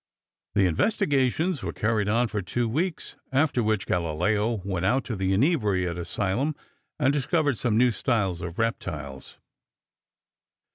The investigations were carried on for two weeks, after which Galileo went out to the inebriate asylum and discovered some new styles of reptiles.